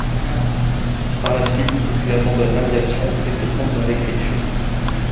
Par la suite il abandonne l'aviation et se tourne vers l'écriture.